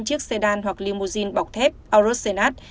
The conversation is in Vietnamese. chiếc xe đan hoặc limousine bọc thép aorus senat